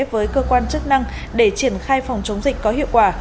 với cơ quan chức năng để triển khai phòng chống dịch có hiệu quả